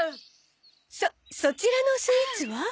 そそちらのスイーツは？